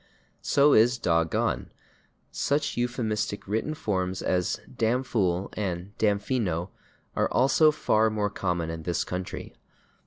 So is /dog gone/. Such euphemistic written forms as /damphool/ and /damfino/ are also far more common in this country.